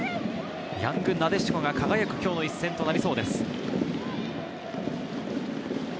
ヤングなでしこが輝く今日の一戦となりそうです。